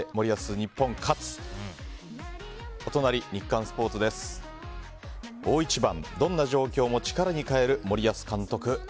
日刊スポーツは「大一番どんな状況も力に変える森保監督」。